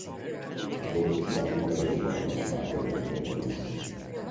A trópusi Afrika és Madagaszkár területén honos.